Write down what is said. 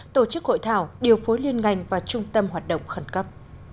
tổ chức hội thảo điều phối liên ngành và trung tâm hoạt động khẩn cấp